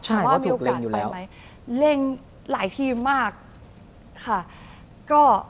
ถามว่ามีโอกาสไปไหมเร็งหลายทีมากใช่ก็ถูกเล็งอยู่แล้ว